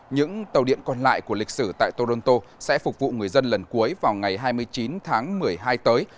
những tàu điện còn lại của lịch sử tại toronto sẽ phục vụ người dân lần cuối vào ngày hai mươi chín tháng một mươi hai tới